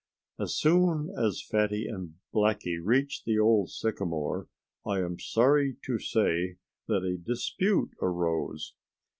As soon as Fatty and Blackie reached the old sycamore I am sorry to say that a dispute arose.